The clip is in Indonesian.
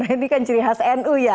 ini kan ciri khas nu ya